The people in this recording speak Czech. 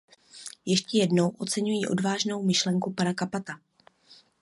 Ještě jednou oceňuji odvážnou myšlenku pana Cappata.